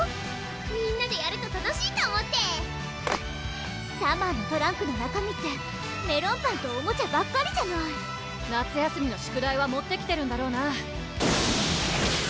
みんなでやると楽しいと思ってサマーのトランクの中身ってメロンパンとおもちゃばっかりじゃない夏休みの宿題は持ってきてるんだろうな？